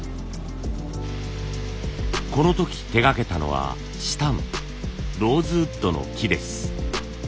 この時手がけたのは紫檀ローズウッドの木です。